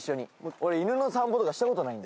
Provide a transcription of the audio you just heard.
俺犬の散歩とかした事ないんだよ。